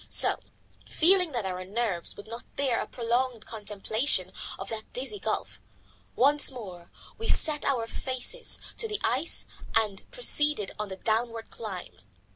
So, feeling that our nerves would not bear a prolonged contemplation of that dizzy gulf, once more we set our faces to the ice and proceeded on the downward climb.